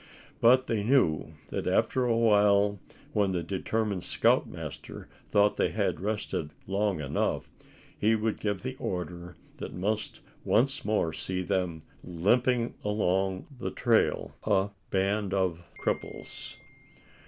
But they knew that after a while, when the determined scoutmaster thought they had rested long enough, he would give the order that must once more see them limping along the trail, a band of cripples.